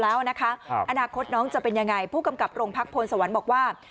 แล้วนะคะอนาคตน้องจะเป็นยังไงผู้กำกับโรงพักพลสวรรค์บอกว่า